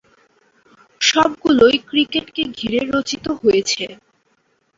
সবগুলোই ক্রিকেটকে ঘিরে রচিত হয়েছে।